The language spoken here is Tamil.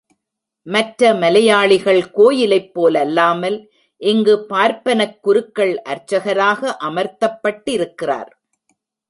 மற்ற மலையாளிகள் கோயிலைப் போலல்லாமல், இங்குப் பார்ப்பனக் குருக்கள் அர்ச்சகராக அமர்த்தப்பட்டிருக்கிறார்.